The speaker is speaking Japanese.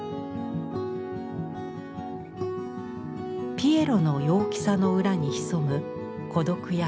ピエロの陽気さの裏に潜む孤独や悲しみ。